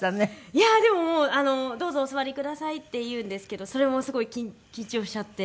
いやでももうあの「どうぞお座りください」って言うんですけどそれもすごい緊張しちゃって。